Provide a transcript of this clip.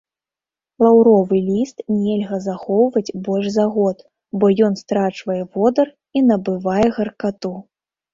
Лаўровы ліст нельга захоўваць больш за год, бо ён страчвае водар і набывае гаркату.